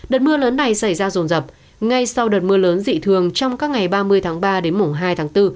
đợt mưa lớn này xảy ra rồn rập ngay sau đợt mưa lớn dị thường trong các ngày ba mươi tháng ba đến mùng hai tháng bốn